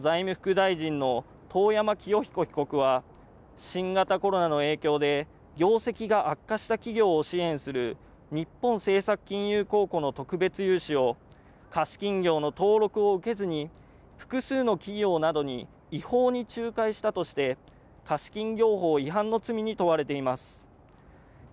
公明党の衆議院議員だった元財務副大臣の遠山清彦被告は新型コロナの影響で業績が悪化した企業を支援する日本政策金融公庫の特別融資を貸金業の登録を受けずに複数の企業などに違法に仲介したとして貸金業法違反の罪に問われています。